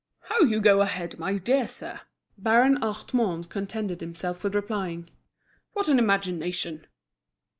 "How you go ahead, my dear sir!" Baron Hartmann contented himself with replying. "What an imagination!"